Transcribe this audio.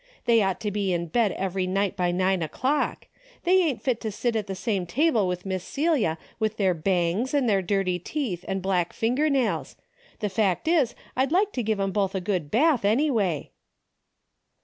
They ought to be in bed every night by nine o'clock. They ain't fit to sit at the same table with Miss Celia with their bangs and their dirty teeth and black finger nails. The fact is I'd like to give 'em both a good bath any way."